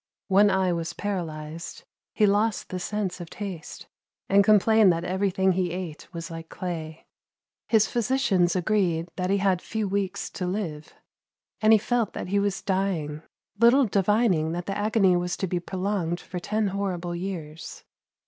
One eye was paralyzed, he lost the sense of taste, and complained that everything he ate was like clay. His physicians agreed that he had few weeks to live, and he felt that he was dying, little divining that the agony was to be prolonged for ten horrible years.